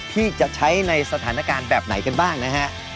ที่จะใช้ในสถานการณ์แบบไหนกันบ้างนะฮะ